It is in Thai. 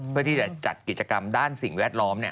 เพื่อที่จะจัดกิจกรรมด้านสิ่งแวดล้อม